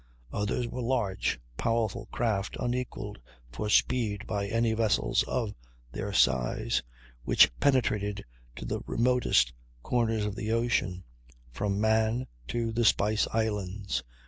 Others were large, powerful craft, unequalled for speed by any vessels of their size, which penetrated to the remotest corners of the ocean, from Man to the Spice Islands.